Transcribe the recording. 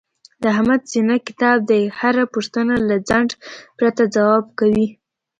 د احمد سینه کتاب دی، هره پوښتنه له ځنډ پرته ځواب کوي.